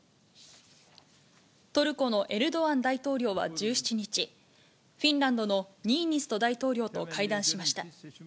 トルコのエルドアン大統領は１７日、フィンランドのニーニスト大統領と会談しました。